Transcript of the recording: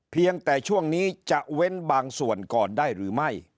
เพียงแต่ช่วงนี้จะเว้นบางส่วนก่อนได้หรือไม่